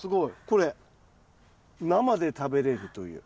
これ生で食べれるという。